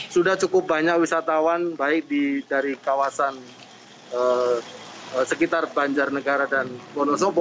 sudah cukup banyak wisatawan baik dari kawasan sekitar banjarnegara dan wonosobo